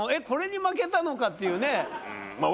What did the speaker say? これに負けたのかっていうね